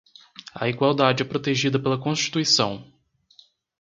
A igualdade é protegida pela Constituição.